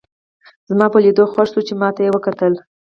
زما په لیدو خوښ شوه چې ما ته یې وکتل.